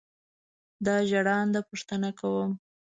دا ژړاند پوښتنه کوم.